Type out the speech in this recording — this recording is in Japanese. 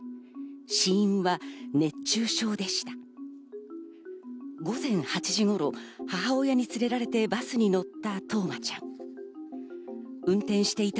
死因は熱中症でした。